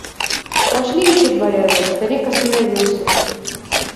Прошли еще два ряда, старик остановился.